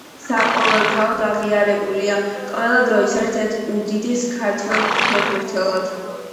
საყოველთაოდ აღიარებულია ყველა დროის ერთ-ერთ უდიდეს ქართველ ფეხბურთელად.